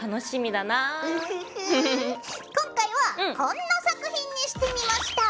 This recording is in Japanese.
今回はこんな作品にしてみました。